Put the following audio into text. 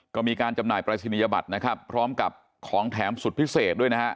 ก็มีการจำหน่ายปรายศนียบัตรนะครับพร้อมกับของแถมสุดพิเศษด้วยนะฮะ